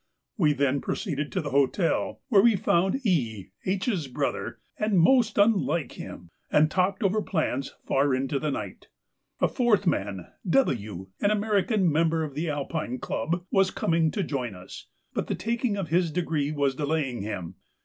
We then proceeded to the hotel, where we found E., H.'s brother, and most unlike him, and talked over plans far into the night. A fourth man, W., an American member of the A.C., was coming to join us, but the taking of his degree was delaying him.